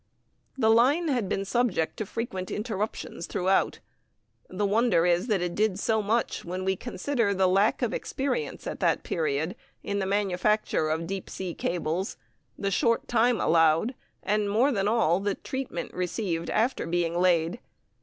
The line had been subject to frequent interruptions throughout. The wonder is that it did so much, when we consider the lack of experience at that period in the manufacture of deep sea cables, the short time allowed, and, more than all, the treatment received after being laid.